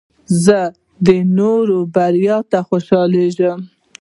زه د نورو بریا ته خوشحاله کېږم.